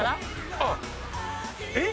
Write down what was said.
あっえっ？